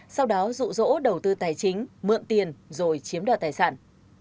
sau đó rụ rỗ đầu tư tài chính mượn tiền rồi chiếm đoạt tài sản